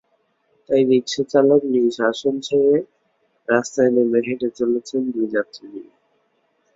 তাই রিকশাচালক নিজ আসন ছেড়ে রাস্তায় নেমে হেঁটে চলেছেন দুই যাত্রী নিয়ে।